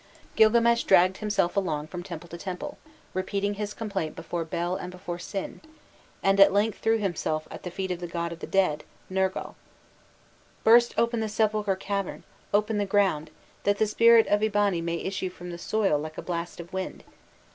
Gilgames dragged himself along from temple to temple, repeating his complaint before Bel and before Sin, and at length threw himself at the feet of the god of the Dead, Nergal: "'Burst open the sepulchral cavern, open the ground, that the spirit of Eabani may issue from the soil like a blast of wind.